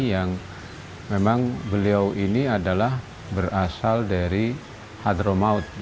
yang memang beliau ini adalah berasal dari hadromaut